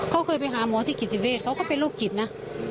เขาเคยไปหาหมอที่กิติเวศเขาก็เป็นโรคจิตนะ